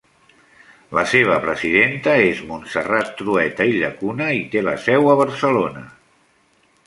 La seva presidenta és Montserrat Trueta i Llacuna i té la seu a Barcelona.